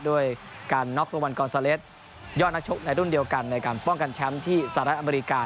ด้วยการนอกรมันแยจยอดนักโชคในรุ่นเดียวกันในการป้องกันแชมป์ที่สระอเมริกา